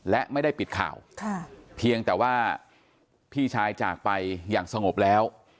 และไม่ได้ปิดข่าวเพียงแต่ว่าพี่ชายจากไปอย่างสงบแล้ว